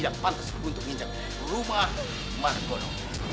saya mau bantu kamu untuk menginjak ke rumah marcono